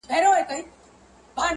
د یرغَګۍ کلی دی